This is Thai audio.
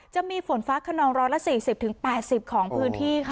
จะมีฝนฟ้าขนอง๑๔๐๘๐ของพื้นที่ค่ะ